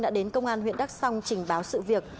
đã đến công an huyện đắk song trình báo sự việc